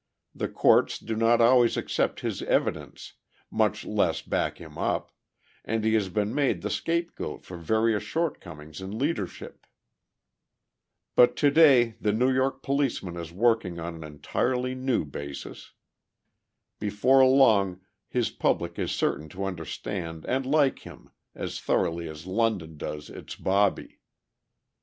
The courts do not always accept his evidence, much less back him up, and he has been made the scapegoat for various shortcomings in leadership. But to day the New York policeman is working on an entirely new basis. Before long his public is certain to understand and like him as thoroughly as London does its "bobby."